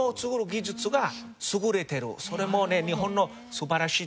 それもね日本の素晴らしいところ。